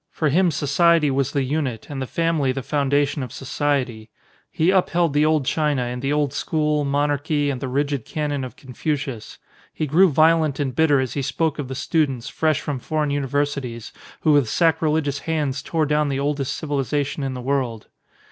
For him society was the unit, and the family the foun dation of society. He upheld the old China and the old school, monarchy, and the rigid canon of 152 THE PnilOSOPHEE Confucius. He grew violent and bitter as he spoke of the students, fresh from foreign universi ties, who with sacrilegious hands tore down the oldest civilisation in the world.